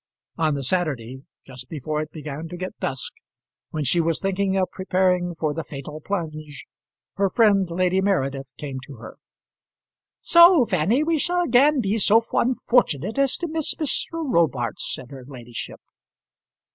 On the Saturday, just before it began to get dusk, when she was thinking of preparing for the fatal plunge, her friend, Lady Meredith, came to her. "So, Fanny, we shall again be so unfortunate as to miss Mr. Robarts," said her ladyship.